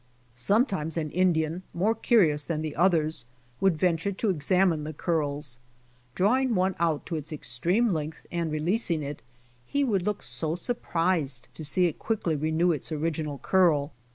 Sometimes an Indian, more curious than the others, would venture to examine the curls. Draw ing one out to its extreme length and releasing it, he would look so surprised to see it quickly renew its original curl.